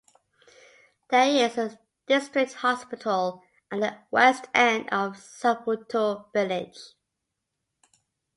There is a district hospital at the west end of Safotu village.